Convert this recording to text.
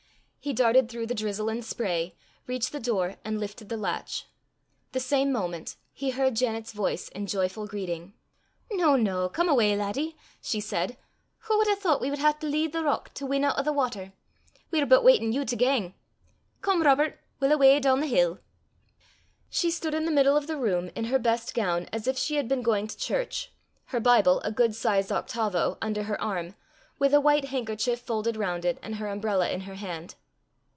He darted through the drizzle and spray, reached the door, and lifted the latch. The same moment he heard Janet's voice in joyful greeting. "Noo, noo! come awa, laddie," she said. "Wha wad hae thoucht we wad hae to lea' the rock to win oot o' the water? We're but waitin' you to gang. Come, Robert, we'll awa doon the hill." She stood in the middle of the room in her best gown, as if she had been going to church, her Bible, a good sized octavo, under her arm, with a white handkerchief folded round it, and her umbrella in her hand.